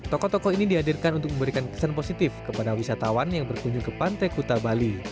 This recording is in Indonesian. tokoh tokoh ini dihadirkan untuk memberikan kesan positif kepada wisatawan yang berkunjung ke pantai kuta bali